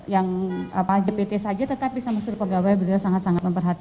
yang jpt saja tetap bisa mengusur pegawai beliau sangat sangat memperhatikan